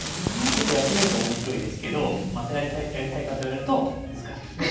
結構やってみると面白いですけどまたやりたいかと言われると難しいですね。